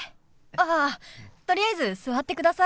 あっとりあえず座ってください。